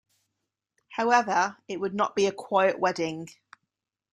However, it would not be a quiet wedding.